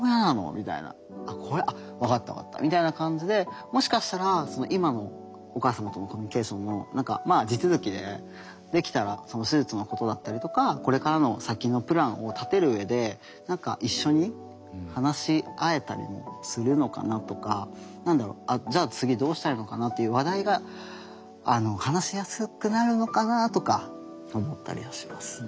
みたいな「あっこれあっ分かった分かった」みたいな感じでもしかしたら今のお母様とのコミュニケーションも何か地続きでできたらその手術のことだったりとかこれからの先のプランを立てる上で何か一緒に話し合えたりもするのかなとか何だろうじゃあ次どうしたいのかなっていう話題が話しやすくなるのかなとか思ったりはします。